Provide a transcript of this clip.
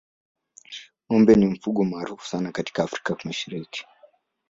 ngombe ni mfugo maarufu sana katika afrika mashariki